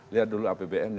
lihat dulu apbn nya